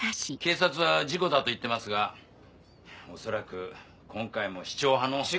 警察は事故だと言ってますが恐らく今回も市長派の。